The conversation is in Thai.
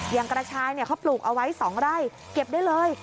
อย่างกระชายเขาปลูกเอาไว้๒ไร่เก็บได้เลย